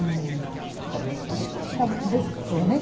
食べやすくなっているんですね。でしょうね。